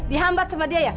dihambat sama dia ya